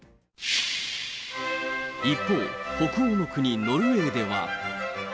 一方、北欧の国ノルウェーでは。